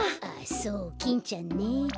あそうキンちゃんね。